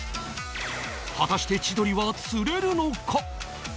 果たして千鳥は釣れるのか？